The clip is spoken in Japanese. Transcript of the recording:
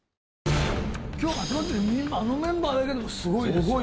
今日集まってるあのメンバーだけでもすごいですよ